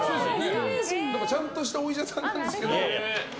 ちゃんとしたお医者さんなんですけど。